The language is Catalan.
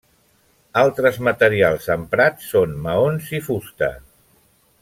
Altres materials emprats són maons i fusta.